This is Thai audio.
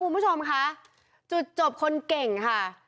คุณผู้ชมคะจุดจบคนเก่งค่ะ